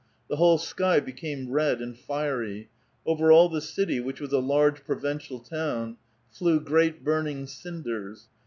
The whole sky became red and fiery ; over all the city, which was a large provincial town, flew great burning cinders.